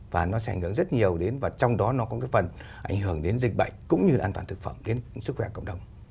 và nó sẽ ảnh hưởng rất nhiều đến và trong đó nó có cái phần ảnh hưởng đến dịch bệnh cũng như an toàn thực phẩm đến sức khỏe cộng đồng